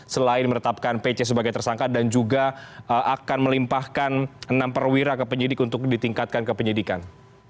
selain menetapkan pc sebagai tersangka dan juga akan melimpahkan enam perwira ke penyidik untuk ditingkatkan ke penyidikan